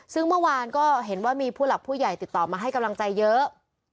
ซึ่งเมื่อวานก็เห็นว่ามีผู้หลักผู้ใหญ่ติดต่อมาให้กำลังใจเยอะ